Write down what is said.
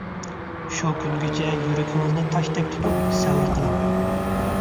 شۇ كۈنگىچە يۈرىكىڭىزنى تاشتەك تۇتۇپ سەۋر قىلىڭ!